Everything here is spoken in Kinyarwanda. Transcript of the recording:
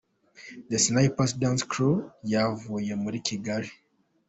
The Snipers Dance Crew ryavuye muri Kigali.